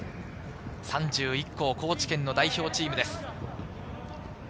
３１校、高知県の代表チームです。